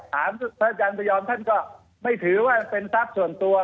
พระอาจารย์พยอมท่านก็ไม่ถือว่าเป็นทรัพย์ส่วนตัว